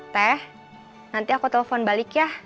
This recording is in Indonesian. teh nanti aku telepon balik ya